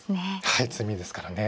はい詰みですからね。